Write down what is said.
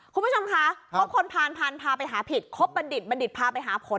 คุณผู้ชมคะเพราะคนพานพานพาไปหาผิดครบบรรดิษฐ์บรรดิษฐ์พาไปหาผล